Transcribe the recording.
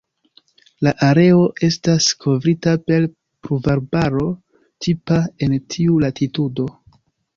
La areo estas kovrita per pluvarbaro tipa en tiu latitudo.